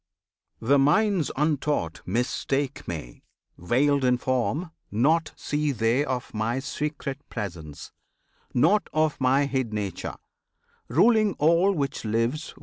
The minds untaught mistake Me, veiled in form; Naught see they of My secret Presence, nought Of My hid Nature, ruling all which lives.